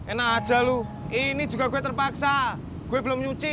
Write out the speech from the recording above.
enak aja lu ini juga gue terpaksa gue belum nyuci